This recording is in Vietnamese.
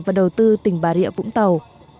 và đầu tư tỉnh bà rịa vũng tàu